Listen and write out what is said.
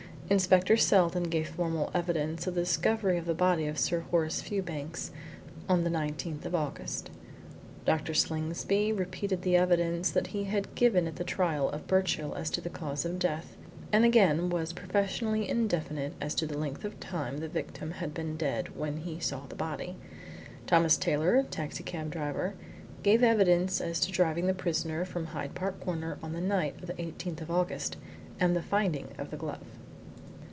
Inspector Seldon gave formal evidence of the discovery of the body of Sir Horace Fewbanks on the 19th of August. Dr. Slingsby repeated the evidence that he had given at the trial of Birchill as to the cause of death, and was again professionally indefinite as to the length of time the victim had been dead when he saw the body. Thomas Taylor, taxi cab driver, gave evidence as to driving the prisoner from Hyde Park Corner on the night of the 18th of August and the finding of the glove.